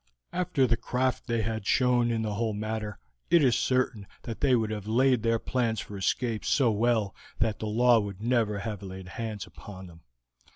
After the craft they had shown in the whole matter, it is certain that they would have laid their plans for escape so well that the law would never have laid hands upon them.